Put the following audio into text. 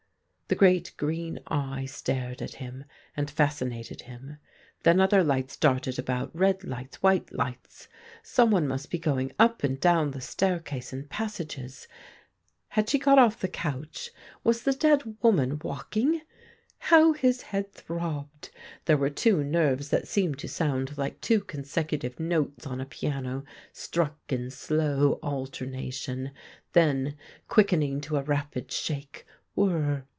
The great green eye stared at him. and fascinated him. Then other lights darted about, red lights, white lights. Someone must be going up and down the staircase and passages. Had she got off the 69 THE GREEN LIGHT couch ? Was the dead woman walk ing ? How his head throbbed ! There were two nerves that seemed to sound hke two consecutive notes on a piano, struck in slow alterna tion, then quickening to a rapid shake — whirr